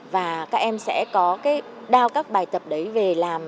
và các em sẽ có cái đao các bài tập đấy về làm